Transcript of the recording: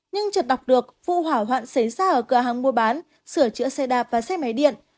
nhưng trật đọc được vụ hỏa hoạn xế xa ở cửa hàng mua bán sửa chữa xe đạp và xe máy điện